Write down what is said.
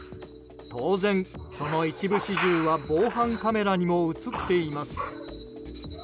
当然、その一部始終は防犯カメラにも映っています。